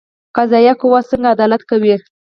قضایه قوه څنګه عدالت کوي؟